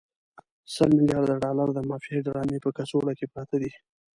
سل ملیارده ډالر د مافیایي ډرامې په کڅوړو کې پراته دي.